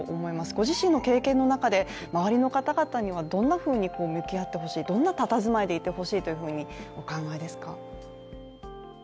ご自身の経験の中で、周りの方々にはどうやって向き合ってほしいどんなたたずまいでいてほしいというふうにお考えですか？